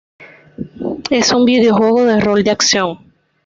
Es un videojuego de rol de acción.